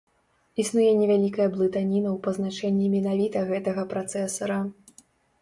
Існуе невялікая блытаніна ў пазначэнні менавіта гэтага працэсара.